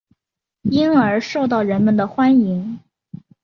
因而受到人们的欢迎。